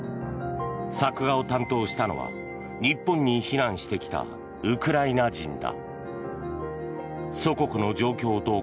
作画を担当したのは日本に避難してきたウクライナ人だ。